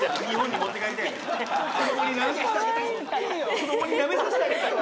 子どもになめさせてあげたいの。